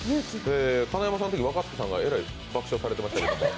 金山さんのとき、若槻さんがえらい爆笑してましたけど？